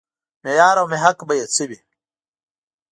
معیار او محک به یې څه وي.